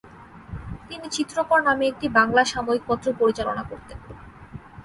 তিনি ‘চিত্রকর’ নামে একটি বাংলা সাময়িকপত্র পরিচালনা করতেন।